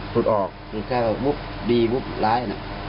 หลุดออกหลุดแค่ว่าวุ๊บดีวุ๊บร้าย